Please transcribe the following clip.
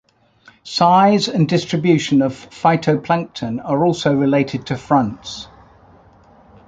Size and distribution of phytoplankton are also related to fronts.